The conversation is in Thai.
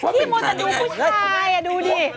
มือแต่ดูผู้ชายน่ะดูไอจีอ่าว่าเป็นคันอย่างไรดูหนิพี่มอด